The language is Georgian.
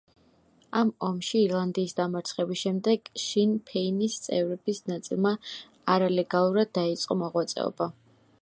ამ ომში ირლანდიის დამარცხების შემდეგ შინ ფეინის წევრების ნაწილმა არალეგალურად დაიწყო მოღვაწეობა.